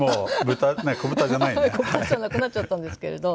子豚じゃなくなっちゃったんですけれど。